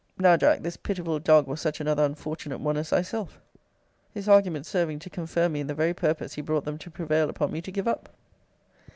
Now, Jack, this pitiful dog was such another unfortunate one as thyself his arguments serving to confirm me in the very purpose he brought them to prevail upon me to give up.